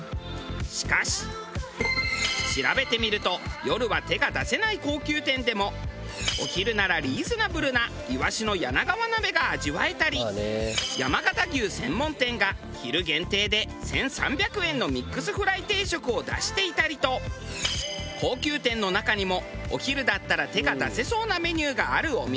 しかし調べてみると夜は手が出せない高級店でもお昼ならリーズナブルな鰯の柳川鍋が味わえたり山形牛専門店が昼限定で１３００円のミックスフライ定食を出していたりと高級店の中にもお昼だったら手が出せそうなメニューがあるお店が。